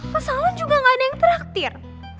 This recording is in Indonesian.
pasalan juga ga ada yang traktir